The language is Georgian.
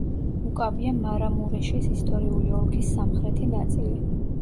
უკავია მარამურეშის ისტორიული ოლქის სამხრეთი ნაწილი.